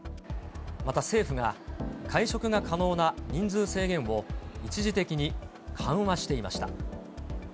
また政府が、会食が可能な人数制限を、一時的に緩和していました。